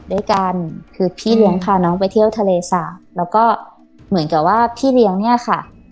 ด้วยกันคือพี่เลี้ยงพาน้องไปเที่ยวทะเลสาบแล้วก็เหมือนกับว่าพี่เลี้ยงเนี่ยค่ะ